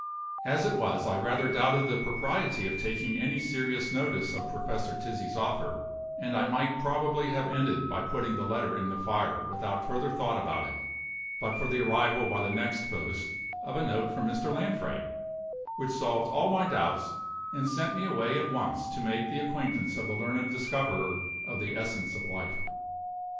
As it was, I rather doubted the propriety of taking any serious notice of Professor Tizzi's offer; and I might probably have ended by putting the letter in the fire without further thought about it, but for the arrival by the next post of a note from Mr. Lanfray, which solved all my doubts, and sent me away at once to make the acquaintance of the learned discoverer of the Essence of Life.